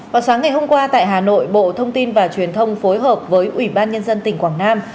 vào sáng ngày hôm qua tại hà nội bộ thông tin và truyền thông phối hợp với ủy ban nhân dân tỉnh quảng nam